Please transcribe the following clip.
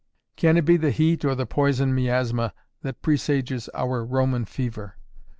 "Can it be the heat or the poison miasma that presages our Roman fever?